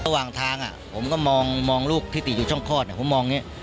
ระหว่างทางผมก็มองลูกที่ติดอยู่ช่องคลอดผมมองอย่างนี้